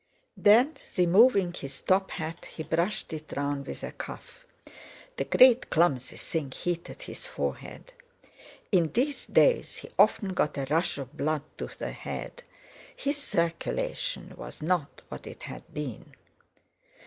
Then, removing his top hat, he brushed it round with a cuff. The great clumsy thing heated his forehead; in these days he often got a rush of blood to the head—his circulation was not what it had been.